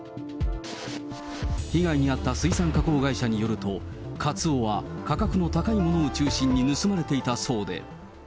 被害に遭った水産加工会社によると、カツオは価格の高いものを中心に盗まれていたそうで。